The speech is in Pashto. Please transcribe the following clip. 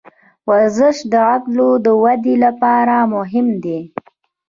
ورزش د عضلو د ودې لپاره مهم دی.